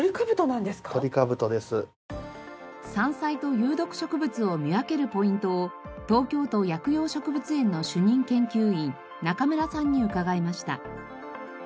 山菜と有毒植物を見分けるポイントを東京都薬用植物園の主任研究員中村さんに伺いました。